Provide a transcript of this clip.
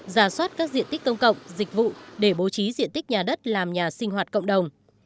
giả soát các diện tích công cộng dịch vụ để bố trí diện tích nhà đất làm nhà sinh hoạt cộng đồng